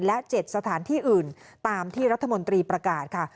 และ๗สถานที่อื่นตามที่รัฐมนตรีประกาศค่ะ